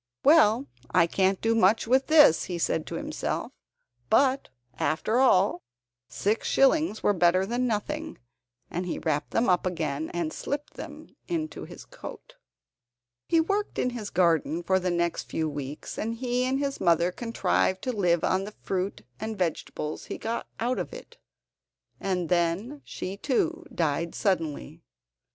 "Well, I can't do much with this," he said to himself; but, after all, six shillings were better than nothing, and he wrapped them up again and slipped them into his coat. He worked in his garden for the next few weeks, and he and his mother contrived to live on the fruit and vegetables he got out of it, and then she too died suddenly.